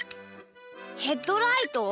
ヘッドライト？